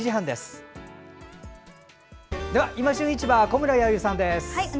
では「いま旬市場」小村さんです。